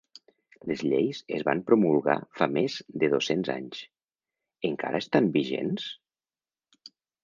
Les lleis es van promulgar fa més de dos-cents anys, encara estan vigents?